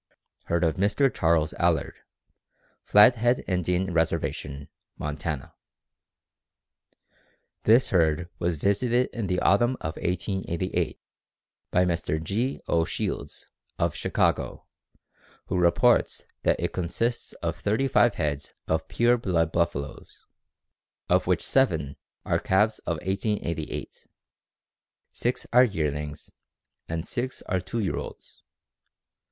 Herd of Mr. Charles Allard, Flathead Indian Reservation, Montana. This herd was visited in the autumn of 1888 by Mr. G. O. Shields, of Chicago, who reports that it consists of thirty five head of pure blood buffaloes, of which seven are calves of 1888, six are yearlings, and six are two year olds.